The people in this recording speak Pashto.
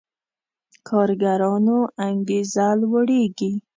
کارګرانو انګېزه لوړېږي.